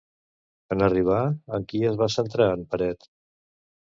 En arribar, en qui es va centrar en Peret?